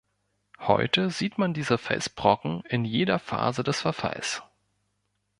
Heute sieht man diese Felsbrocken in jeder Phase des Verfalls.